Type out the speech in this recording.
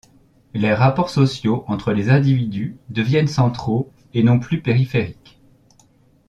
Les rapports sociaux entre les individus deviennent centraux et non plus périphériques.